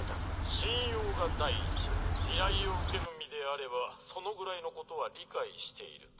信用が第一依頼を受ける身であればそのぐらいのことは理解していると。